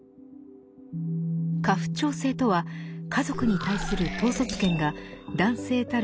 家父長制とは家族に対する統率権が男性たる